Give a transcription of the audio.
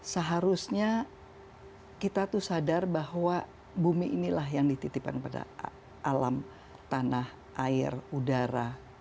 seharusnya kita tuh sadar bahwa bumi inilah yang dititipkan pada alam tanah air udara